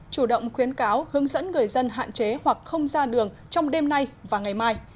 chủ động khuyến cáo hướng dẫn người dân hạn chế hoặc không ra đường trong đêm nay và ngày mai